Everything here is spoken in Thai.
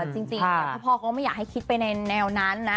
จริงพ่อเขาก็ไม่อยากให้คิดไปในแนวนั้นนะ